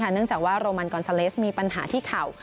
เนื่องจากว่าโรมันกอนซาเลสมีปัญหาที่เข่า